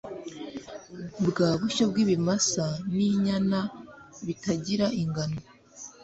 bwa bushyo bw'ibimasa n'inyana bitagira ingano